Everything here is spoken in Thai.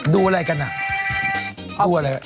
ดูอะไรกันอ่ะดูอะไร